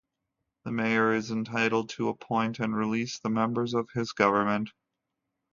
The mayor is entitled to appoint and release the members of his government.